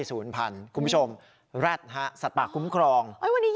คุณผู้ชมแร็ดฮะสัตว์ป่าคุ้มครอง